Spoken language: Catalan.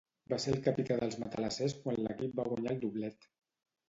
Va ser el capità dels matalassers quan l'equip va guanyar el doblet.